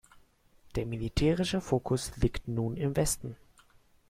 Der militärische Fokus liegt nun im Westen.